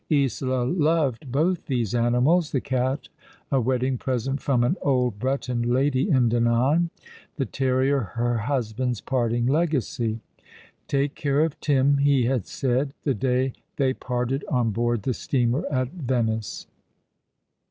Isola loved both these animals — the cat a wedding present from an old Breton lady in Dinan, the terrier her husband's parting legacy. " Take care of Tim,'* he had said, the day they parted on board the steamer at Venice.